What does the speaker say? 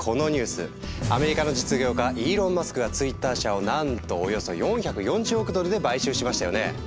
アメリカの実業家イーロン・マスクがＴｗｉｔｔｅｒ社をなんとおよそ４４０億ドルで買収しましたよね。